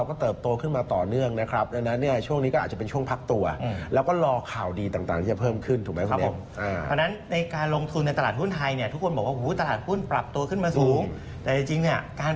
พ่อตังจริงจะว่าตั้งแต่เราต้องบอกตั้งแต่ปลายปีที่แล้วนะครับ